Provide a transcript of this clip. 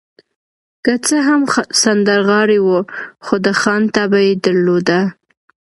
که څه هم سندرغاړی و، خو د خان طبع يې درلوده.